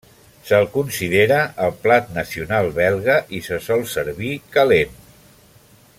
Se'l considera el plat nacional belga i se sol servir calent.